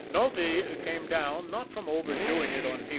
Nulty came down, not from overdoing it on P.